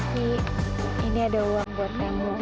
ki ini ada uang buat kamu